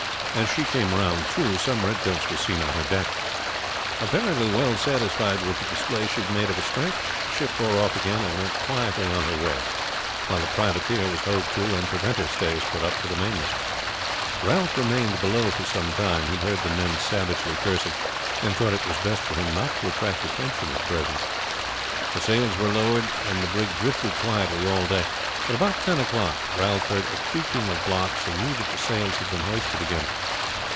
As she came round too, some redcoats were seen on her deck. Apparently well satisfied with the display she had made of her strength, the ship bore off again and went quietly, on her way, while the privateer was hove to and preventer stays put to the mainmast. Ralph remained below for some time; he heard the men savagely cursing, and thought it was best for him not to attract attention at present. The sails were lowered and the brig drifted quietly all day; but about ten o'clock Ralph heard a creaking of blocks, and knew that the sails had been hoisted again.